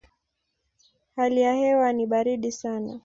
Hali ya hewa ni baridi sana.